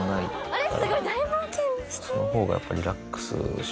あれ？